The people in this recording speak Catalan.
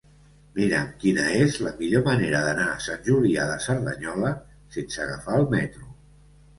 Mira'm quina és la millor manera d'anar a Sant Julià de Cerdanyola sense agafar el metro.